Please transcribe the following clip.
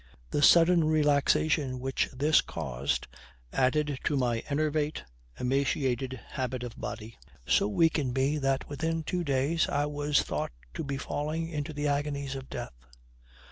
The sudden relaxation which this caused, added to my enervate, emaciated habit of body, so weakened me that within two days I was thought to be falling into the agonies of death.